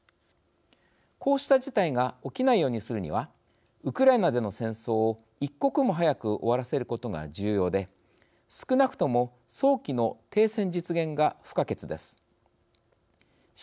こうした事態が起きないようにするにはウクライナでの戦争を一刻も早く終わらせることが重要で少なくとも早期の停戦実現が不可欠です。